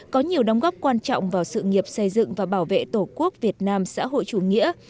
có nhiều đóng góp quan trọng vào sự nghiệp xây dựng và bảo vệ tổ quốc việt nam xã hội chủ nghĩa